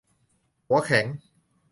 หัวแข็ง